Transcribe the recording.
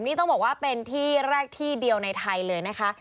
นี่ต้องบอกว่าเป็นที่แรกที่เดียวในไทยเลยนะคะ